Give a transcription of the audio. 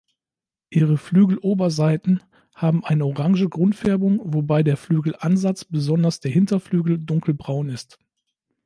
Ihre Flügeloberseiten haben eine orange Grundfärbung, wobei der Flügelansatz, besonders der Hinterflügel dunkelbraun ist.